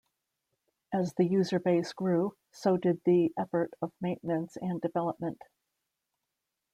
As the user base grew, so did the effort of maintenance and development.